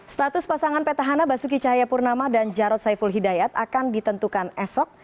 status pasangan petahana basuki cahayapurnama dan jarod saiful hidayat akan ditentukan esok